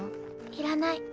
いらない